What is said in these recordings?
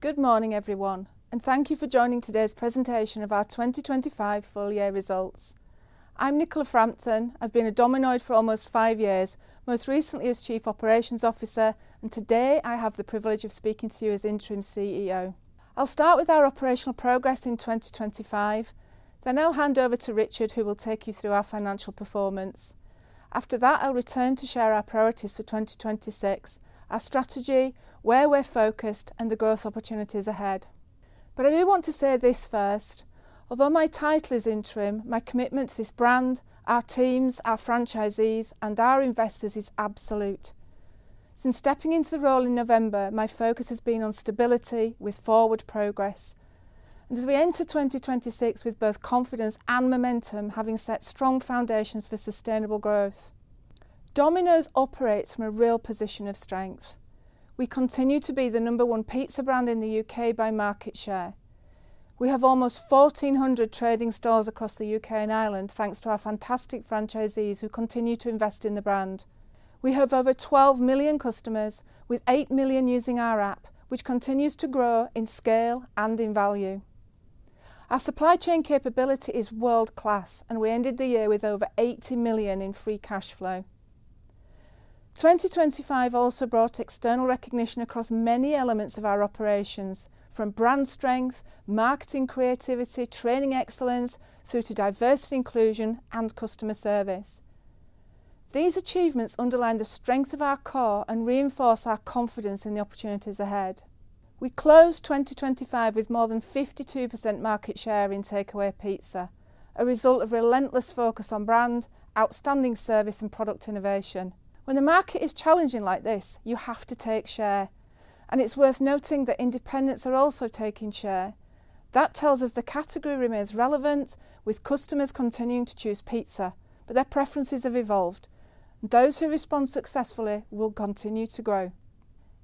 Good morning, everyone, and thank you for joining today's presentation of our 2025 full year results. I'm Nicola Frampton. I've been a Domino for almost five years, most recently as Chief Operations Officer, and today I have the privilege of speaking to you as interim CEO. I'll start with our operational progress in 2025, then I'll hand over to Richard, who will take you through our financial performance. After that, I'll return to share our priorities for 2026, our strategy, where we're focused, and the growth opportunities ahead. I do want to say this first, although my title is interim, my commitment to this brand, our teams, our franchisees, and our investors is absolute. Since stepping into the role in November, my focus has been on stability with forward progress. As we enter 2026 with both confidence and momentum, having set strong foundations for sustainable growth. Domino's operates from a real position of strength. We continue to be the number one pizza brand in the U.K. by market share. We have almost 1,400 trading stores across the U.K. and Ireland, thanks to our fantastic franchisees who continue to invest in the brand. We have over 12 million customers with 8 million using our app, which continues to grow in scale and in value. Our supply chain capability is world-class, and we ended the year with over 80 million in Free Cash Flow. 2025 also brought external recognition across many elements of our operations from brand strength, marketing creativity, training excellence through to diversity inclusion and customer service. These achievements underline the strength of our core and reinforce our confidence in the opportunities ahead. We closed 2025 with more than 52% market share in takeaway pizza, a result of relentless focus on brand, outstanding service and product innovation. When the market is challenging like this, you have to take share, and it's worth noting that independents are also taking share. That tells us the category remains relevant with customers continuing to choose pizza, but their preferences have evolved. Those who respond successfully will continue to grow.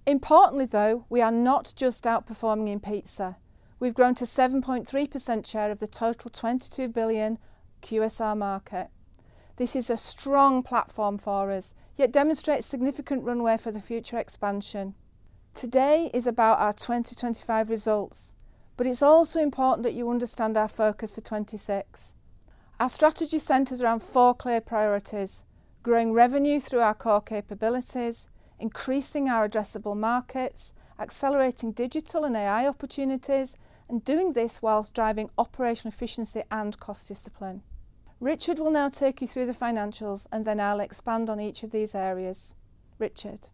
Importantly, though, we are not just outperforming in pizza. We've grown to 7.3% share of the total 22 billion QSR market. This is a strong platform for us, yet demonstrates significant runway for the future expansion. Today is about our 2025 results, but it's also important that you understand our focus for 2026. Our strategy centers around four clear priorities: growing revenue through our core capabilities, increasing our addressable markets, accelerating digital and AI opportunities, and doing this whilst driving operational efficiency and cost discipline. Richard will now take you through the financials, and then I'll expand on each of these areas. Richard.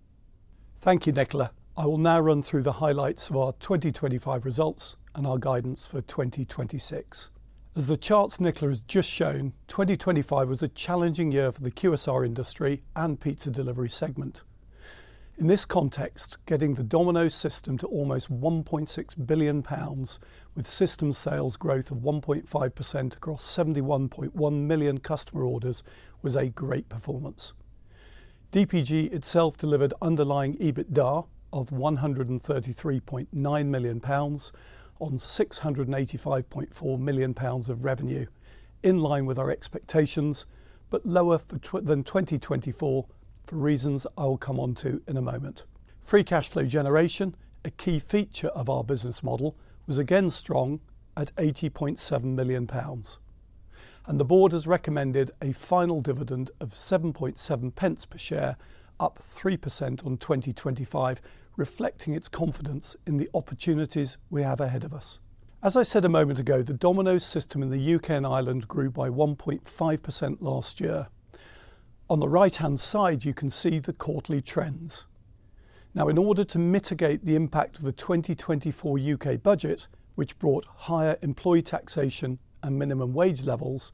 Thank you, Nicola. I will now run through the highlights of our 2025 results and our guidance for 2026. As the charts Nicola has just shown, 2025 was a challenging year for the QSR industry and pizza delivery segment. In this context, getting the Domino's system to almost 1.6 billion pounds with system sales growth of 1.5% across 71.1 million customer orders was a great performance. DPG itself delivered underlying EBITDA of 133.9 million pounds on 685.4 million pounds of revenue in line with our expectations, but lower than 2024 for reasons I'll come on to in a moment. Free Cash Flow generation, a key feature of our business model, was again strong at 80.7 million pounds. The board has recommended a final dividend of 7.7 per share, up 3% on 2025, reflecting its confidence in the opportunities we have ahead of us. As I said a moment ago, the Domino's system in the U.K. and Ireland grew by 1.5% last year. On the right-hand side, you can see the quarterly trends. Now, in order to mitigate the impact of the 2024 UK budget, which brought higher employee taxation and minimum wage levels,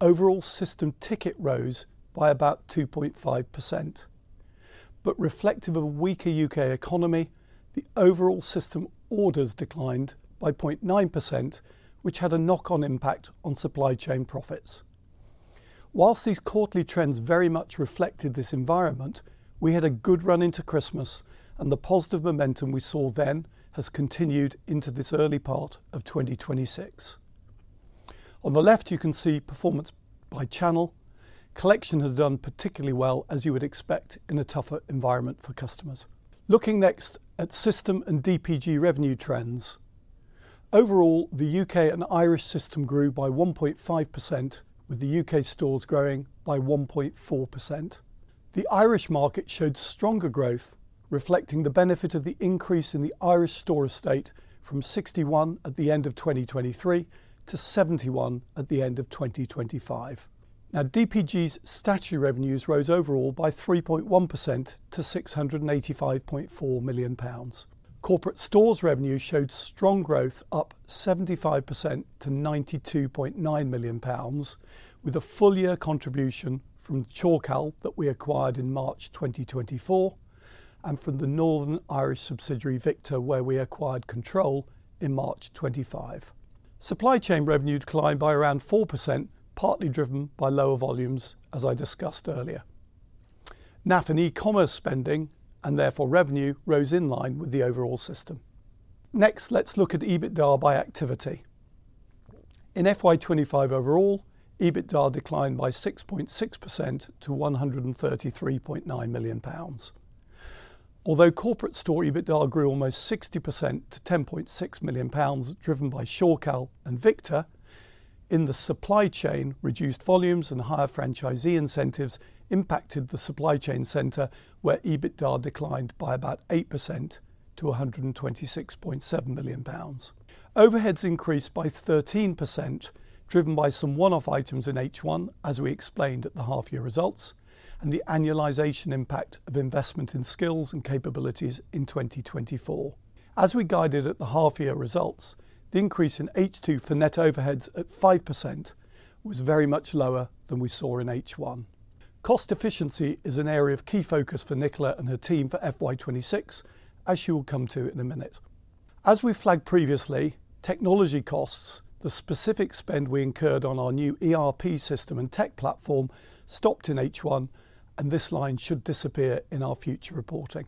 overall system ticket rose by about 2.5%. Reflective of a weaker UK economy, the overall system orders declined by 0.9%, which had a knock-on impact on supply chain profits. While these quarterly trends very much reflected this environment, we had a good run into Christmas, and the positive momentum we saw then has continued into this early part of 2026. On the left, you can see performance by channel. Collection has done particularly well as you would expect in a tougher environment for customers. Looking next at system and DPG revenue trends. Overall, the U.K. and Irish system grew by 1.5%, with the UK stores growing by 1.4%. The Irish market showed stronger growth, reflecting the benefit of the increase in the Irish store estate from 61 at the end of 2023 to 71 at the end of 2025. Now, DPG's statutory revenues rose overall by 3.1% to 685.4 million pounds. Corporate stores revenue showed strong growth up 75% to 92.9 million pounds, with a full year contribution from the Shorecal that we acquired in March 2024, and from the Northern Irish subsidiary, Victa, where we acquired control in March 2025. Supply chain revenue declined by around 4%, partly driven by lower volumes, as I discussed earlier. NAF and e-commerce spending, and therefore revenue, rose in line with the overall system. Next, let's look at EBITDA by activity. In FY 2025 overall, EBITDA declined by 6.6% to 133.9 million pounds. Although corporate store EBITDA grew almost 60% to 10.6 million pounds, driven by Shorecal and Victa in the supply chain, reduced volumes and higher franchisee incentives impacted the supply chain center where EBITDA declined by about 8% to 126.7 million pounds. Overheads increased by 13%, driven by some one-off items in H1, as we explained at the half year results, and the annualization impact of investment in skills and capabilities in 2024. As we guided at the half year results, the increase in H2 for net overheads at 5% was very much lower than we saw in H1. Cost efficiency is an area of key focus for Nicola and her team for FY 2026, as she will come to in a minute. As we flagged previously, technology costs, the specific spend we incurred on our new ERP system and tech platform stopped in H1, and this line should disappear in our future reporting.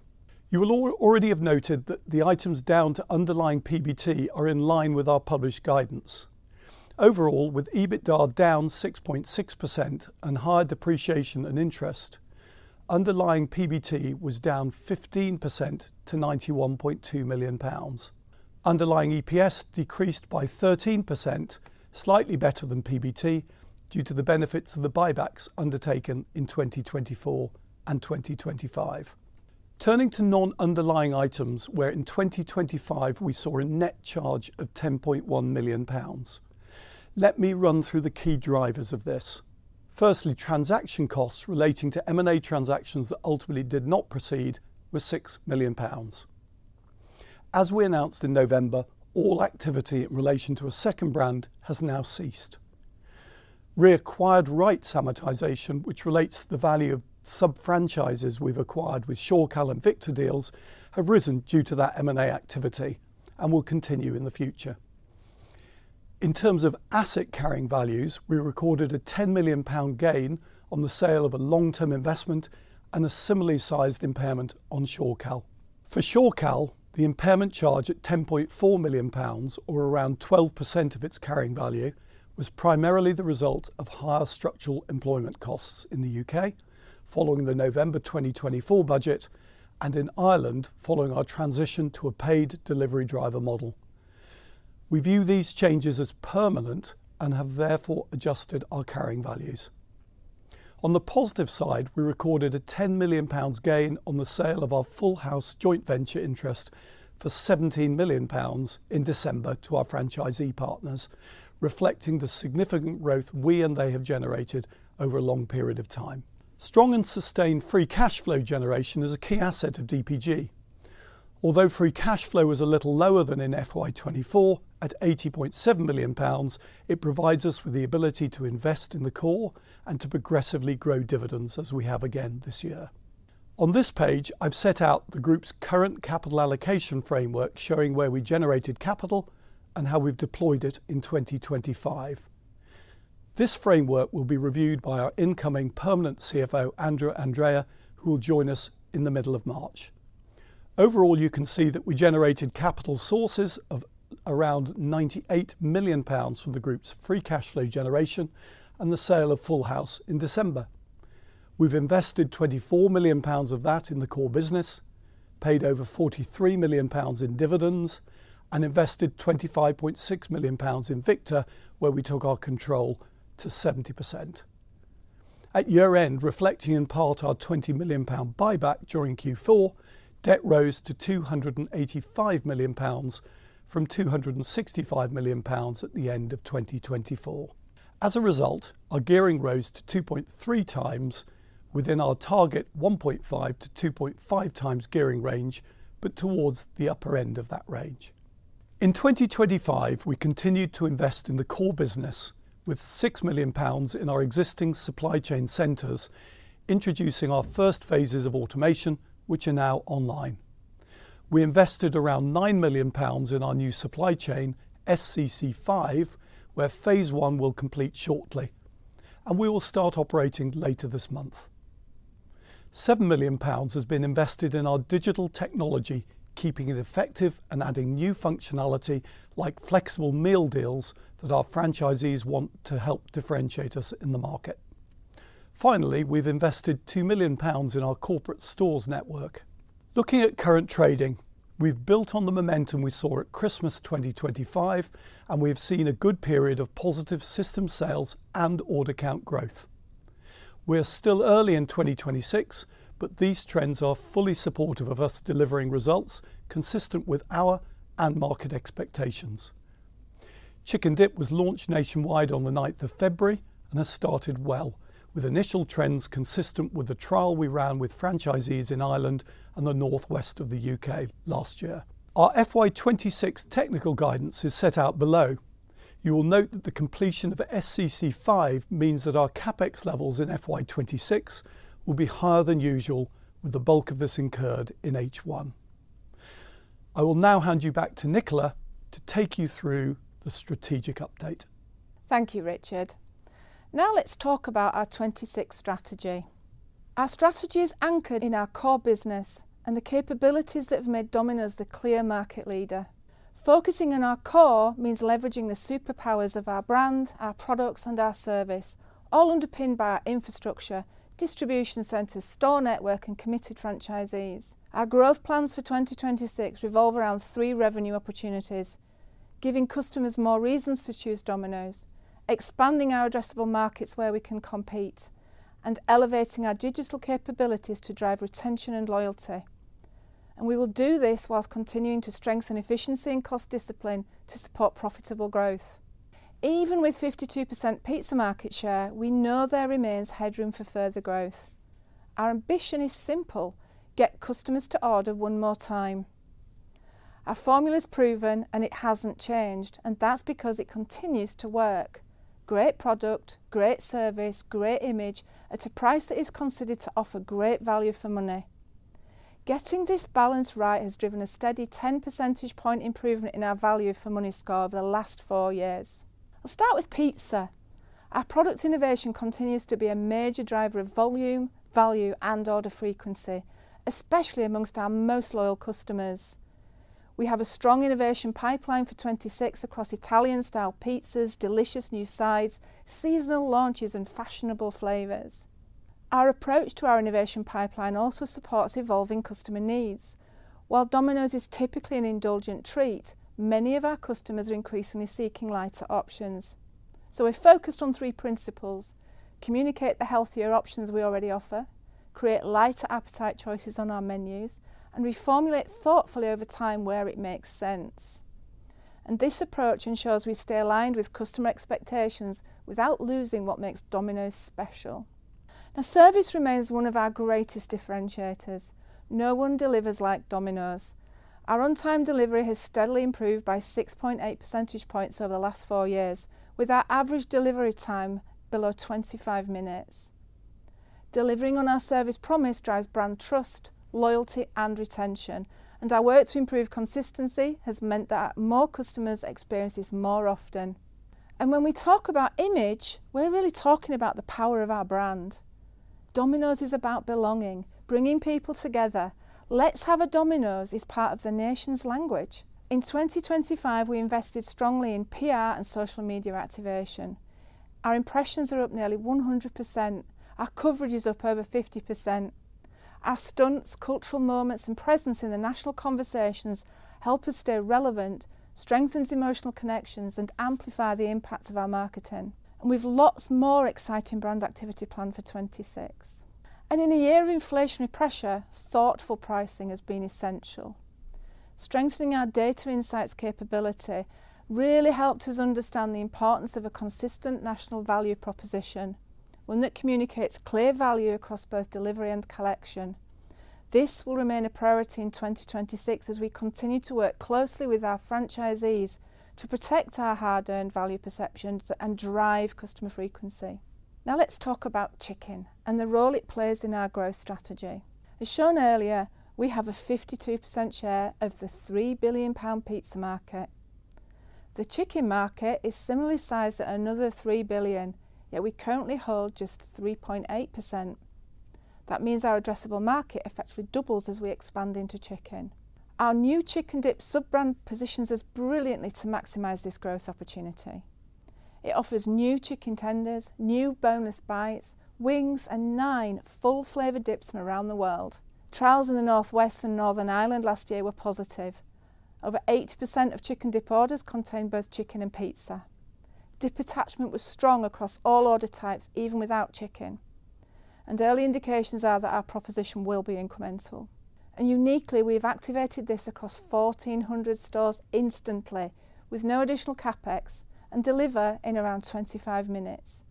You will already have noted that the items down to underlying PBT are in line with our published guidance. Overall, with EBITDA down 6.6% and higher depreciation and interest, underlying PBT was down 15% to 91.2 million pounds. Underlying EPS decreased by 13%, slightly better than PBT due to the benefits of the buybacks undertaken in 2024 and 2025. Turning to non-underlying items, where in 2025 we saw a net charge of 10.1 million pounds. Let me run through the key drivers of this. Firstly, transaction costs relating to M&A transactions that ultimately did not proceed were 6 million pounds. As we announced in November, all activity in relation to a second brand has now ceased. Reacquired rights amortization, which relates to the value of sub-franchises we've acquired with Shorecal and Victa deals, have risen due to that M&A activity and will continue in the future. In terms of asset carrying values, we recorded a 10 million pound gain on the sale of a long-term investment and a similarly sized impairment on Shorecal. For Shorecal, the impairment charge at 10.4 million pounds or around 12% of its carrying value was primarily the result of higher structural employment costs in the U.K. following the November 2024 budget and in Ireland following our transition to a paid delivery driver model. We view these changes as permanent and have therefore adjusted our carrying values. On the positive side, we recorded a 10 million pounds gain on the sale of our Full House joint venture interest for 17 million pounds in December to our franchisee partners, reflecting the significant growth we and they have generated over a long period of time. Strong and sustained Free Cash Flow generation is a key asset of DPG. Although Free Cash Flow is a little lower than in FY 2024 at 80.7 million pounds, it provides us with the ability to invest in the core and to progressively grow dividends as we have again this year. On this page, I've set out the group's current capital allocation framework, showing where we generated capital and how we've deployed it in 2025. This framework will be reviewed by our incoming permanent CFO, Andrew Andrea, who will join us in the middle of March. Overall, you can see that we generated capital sources of around 98 million pounds from the group's Free Cash Flow generation and the sale of Full House in December. We've invested 24 million pounds of that in the core business, paid over 43 million pounds in dividends, and invested 25.6 million pounds in Victa, where we took our control to 70%. At year-end, reflecting in part our 20 million pound buyback during Q4, debt rose to 285 million pounds from 265 million pounds at the end of 2024. As a result, our gearing rose to 2.3x within our target 1.5-2.5x gearing range, but towards the upper end of that range. In 2025, we continued to invest in the core business with 6 million pounds in our existing supply chain centers, introducing our first phases of automation, which are now online. We invested around 9 million pounds in our new supply chain, SCC5, where phase one will complete shortly, and we will start operating later this month. 7 million pounds has been invested in our digital technology, keeping it effective and adding new functionality like flexible meal deals that our franchisees want to help differentiate us in the market. Finally, we've invested 2 million pounds in our corporate stores network. Looking at current trading, we've built on the momentum we saw at Christmas 2025, and we've seen a good period of positive system sales and order count growth. We are still early in 2026, but these trends are fully supportive of us delivering results consistent with our and market expectations. CHICK 'N' DIP was launched nationwide on the ninth of February and has started well with initial trends consistent with the trial we ran with franchisees in Ireland and the northwest of the U.K. last year. Our FY 2026 technical guidance is set out below. You will note that the completion of SCC5 means that our CapEx levels in FY 2026 will be higher than usual with the bulk of this incurred in H1. I will now hand you back to Nicola to take you through the strategic update. Thank you, Richard. Now let's talk about our 2026 strategy. Our strategy is anchored in our core business and the capabilities that have made Domino's the clear market leader. Focusing on our core means leveraging the superpowers of our brand, our products, and our service, all underpinned by our infrastructure, distribution centers, store network, and committed franchisees. Our growth plans for 2026 revolve around three revenue opportunities, giving customers more reasons to choose Domino's, expanding our addressable markets where we can compete, and elevating our digital capabilities to drive retention and loyalty. We will do this whilst continuing to strengthen efficiency and cost discipline to support profitable growth. Even with 52% pizza market share, we know there remains headroom for further growth. Our ambition is simple. Get customers to order one more time. Our formula is proven, and it hasn't changed, and that's because it continues to work. Great product, great service, great image at a price that is considered to offer great value for money. Getting this balance right has driven a steady 10 percentage point improvement in our value for money score over the last four years. I'll start with pizza. Our product innovation continues to be a major driver of volume, value, and order frequency, especially among our most loyal customers. We have a strong innovation pipeline for 26 across Italian-style pizzas, delicious new sides, seasonal launches, and fashionable flavors. Our approach to our innovation pipeline also supports evolving customer needs. While Domino's is typically an indulgent treat, many of our customers are increasingly seeking lighter options. We're focused on three principles: communicate the healthier options we already offer, create lighter appetite choices on our menus, and reformulate thoughtfully over time where it makes sense. This approach ensures we stay aligned with customer expectations without losing what makes Domino's special. Now, service remains one of our greatest differentiators. No one delivers like Domino's. Our on-time delivery has steadily improved by 6.8 percentage points over the last four years, with our average delivery time below 25 minutes. Delivering on our service promise drives brand trust, loyalty, and retention, and our work to improve consistency has meant that more customers experience this more often. When we talk about image, we're really talking about the power of our brand. Domino's is about belonging, bringing people together. "Let's have a Domino's" is part of the nation's language. In 2025, we invested strongly in PR and social media activation. Our impressions are up nearly 100%. Our coverage is up over 50%. Our stunts, cultural moments, and presence in the national conversations help us stay relevant, strengthens emotional connections, and amplify the impact of our marketing. We've lots more exciting brand activity planned for 2026. In a year of inflationary pressure, thoughtful pricing has been essential. Strengthening our data insights capability really helped us understand the importance of a consistent national value proposition, one that communicates clear value across both delivery and collection. This will remain a priority in 2026 as we continue to work closely with our franchisees to protect our hard-earned value perceptions and drive customer frequency. Now let's talk about chicken and the role it plays in our growth strategy. As shown earlier, we have a 52% share of the 3 billion pound pizza market. The chicken market is similarly sized at another 3 billion, yet we currently hold just 3.8%. That means our addressable market effectively doubles as we expand into chicken. Our new CHICK 'N' DIP sub-brand positions us brilliantly to maximize this growth opportunity. It offers new chicken tenders, new boneless bites, wings, and nine full flavor dips from around the world. Trials in the Northwest and Northern Ireland last year were positive. Over 80% of CHICK 'N' DIP orders contained both chicken and pizza. Dip attachment was strong across all order types, even without chicken. Early indications are that our proposition will be incremental. Uniquely, we have activated this across 1,400 stores instantly with no additional CapEx and deliver in around 25 minutes.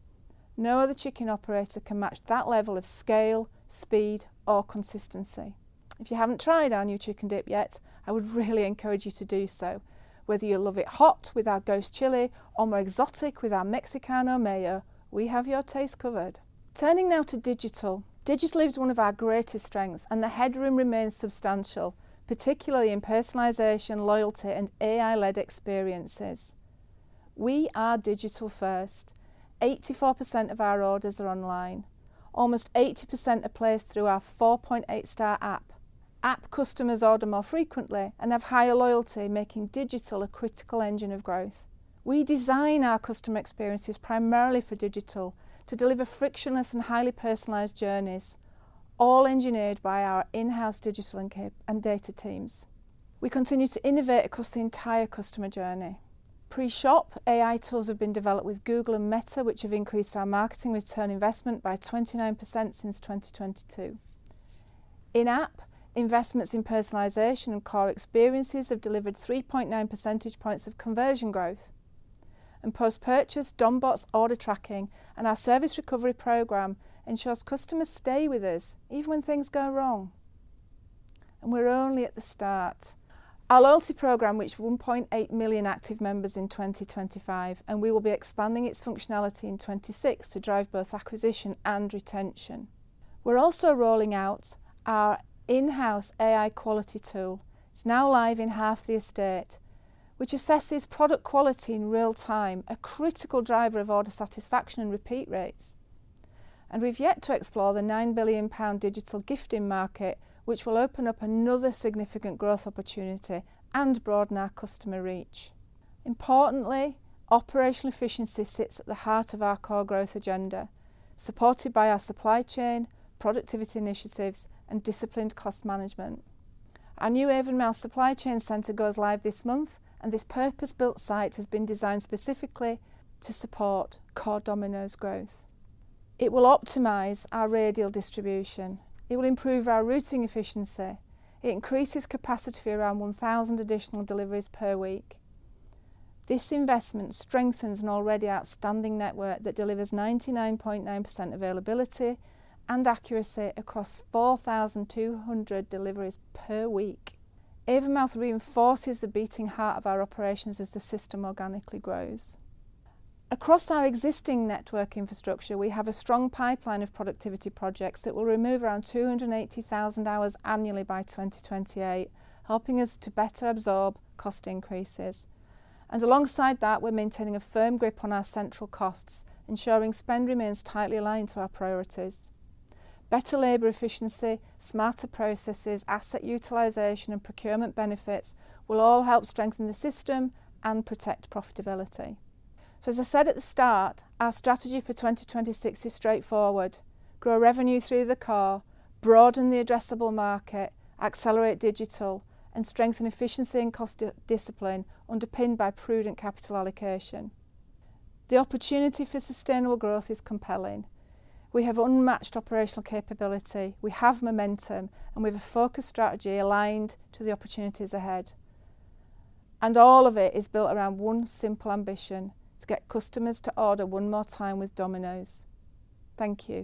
No other chicken operator can match that level of scale, speed, or consistency. If you haven't tried our new CHICK 'N' DIP yet, I would really encourage you to do so. Whether you love it hot with our Ghost Chilli or more exotic with our Mexicana Mayo, we have your taste covered. Turning now to digital. Digital is one of our greatest strengths, and the headroom remains substantial, particularly in personalization, loyalty, and AI-led experiences. We are digital first. 84% of our orders are online. Almost 80% are placed through our 4.8-star app. App customers order more frequently and have higher loyalty, making digital a critical engine of growth. We design our customer experiences primarily for digital to deliver frictionless and highly personalized journeys, all engineered by our in-house digital and data teams. We continue to innovate across the entire customer journey. Pre-shop AI tools have been developed with Google and Meta, which have increased our marketing return investment by 29% since 2022. In-app investments in personalization and core experiences have delivered 3.9 percentage points of conversion growth. Post-purchase Dom's order tracking and our service recovery program ensures customers stay with us even when things go wrong. We're only at the start. Our loyalty program reached 1.8 million active members in 2025, and we will be expanding its functionality in 2026 to drive both acquisition and retention. We're also rolling out our in-house AI quality tool. It's now live in half the estate, which assesses product quality in real-time, a critical driver of order satisfaction and repeat rates. We've yet to explore the 9 billion pound digital gifting market, which will open up another significant growth opportunity and broaden our customer reach. Importantly, operational efficiency sits at the heart of our core growth agenda, supported by our supply chain, productivity initiatives, and disciplined cost management. Our new Avonmouth supply chain center goes live this month, and this purpose-built site has been designed specifically to support core Domino's growth. It will optimize our radial distribution. It will improve our routing efficiency. It increases capacity around 1,000 additional deliveries per week. This investment strengthens an already outstanding network that delivers 99.9% availability and accuracy across 4,200 deliveries per week. Avonmouth reinforces the beating heart of our operations as the system organically grows. Across our existing network infrastructure, we have a strong pipeline of productivity projects that will remove around 280,000 hours annually by 2028, helping us to better absorb cost increases. Alongside that, we're maintaining a firm grip on our central costs, ensuring spend remains tightly aligned to our priorities. Better labor efficiency, smarter processes, asset utilization, and procurement benefits will all help strengthen the system and protect profitability. As I said at the start, our strategy for 2026 is straightforward, grow revenue through the core, broaden the addressable market, accelerate digital, and strengthen efficiency and cost discipline underpinned by prudent capital allocation. The opportunity for sustainable growth is compelling. We have unmatched operational capability, we have momentum, and we have a focused strategy aligned to the opportunities ahead. All of it is built around one simple ambition, to get customers to order one more time with Domino's. Thank you.